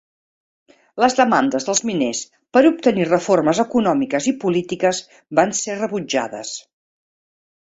Les demandes dels miners per obtenir reformes econòmiques i polítiques van ser rebutjades.